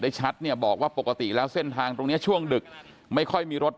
ชัดเนี่ยบอกว่าปกติแล้วเส้นทางตรงนี้ช่วงดึกไม่ค่อยมีรถ